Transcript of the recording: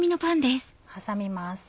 挟みます。